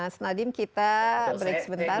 senadim kita break sebentar